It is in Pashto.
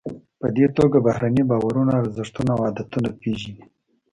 په دې توګه بهرني باورونه، ارزښتونه او عادتونه پیژنئ.